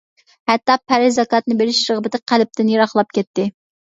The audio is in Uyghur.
ھەتتا پەرز زاكاتنى بېرىش رىغبىتى قەلبىدىن يىراقلاپ كەتتى.